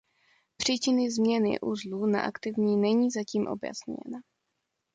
Příčiny změny uzlů na aktivní není zatím objasněna.